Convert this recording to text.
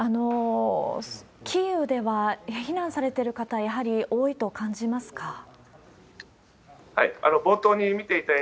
キーウでは避難されている方、やはり多いと感じますか？